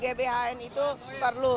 gbhn itu perlu